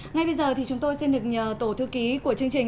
ngay bây giờ thì chúng tôi xin được tổ thư ký của chương trình